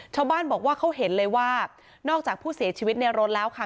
ชาวบ้านบอกว่าเขาเห็นเลยว่านอกจากผู้เสียชีวิตในรถแล้วค่ะ